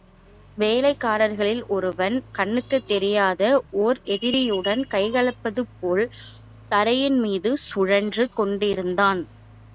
வேலைக்காரர்களில் ஒருவன் கண்ணுக்குத் தெரியாத ஓர் எதிரியுடன் கைகலப்பது போல் தரையின் மீது சுழன்று கொண்டிருந்தான்.